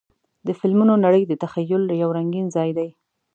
د فلمونو نړۍ د تخیل یو رنګین ځای دی.